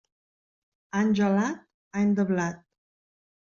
Any gelat, any de blat.